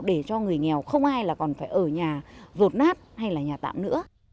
để cho người nghèo không ai là còn phải ở nhà rột nát hay là nhà tạm nữa